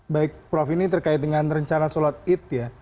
baik prof ini terkait dengan rencana salat id